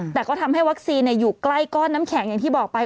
แต่ก็ทำให้วัคซีนอยู่ใกล้ก้อนน้ำแข็งอย่างที่บอกไป